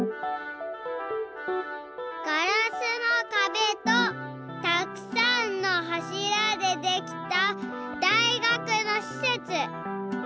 ガラスのかべとたくさんのはしらでできた大学のしせつ。